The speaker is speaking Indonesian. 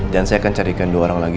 dan saya akan carikan dua orang lagi